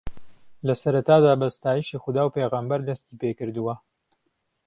لەسەرەتادا بە ستایشی خودا و پێغەمبەر دەستی پێکردووە